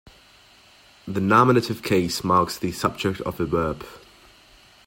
The nominative case marks the subject of a verb.